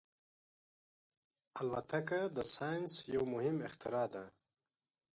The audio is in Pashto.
الوتکه د ساینس یو مهم اختراع ده.